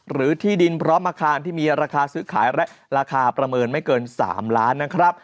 หรือที่ดินพร้อมอาคารที่มีราคาซื้อขายและราคาประเมินไม่เกิน๓ล้านนะครับ